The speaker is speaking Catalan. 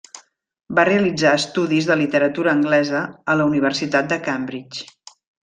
Va realitzar estudis de literatura anglesa a la Universitat de Cambridge.